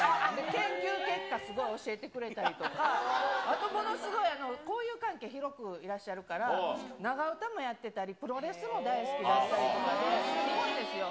研究結果すごい教えてくれたりとか、あとものすごい、交友関係、広くいらっしゃるから、長唄もやってたり、プロレスも大好きだったりとかで、すごいですよ。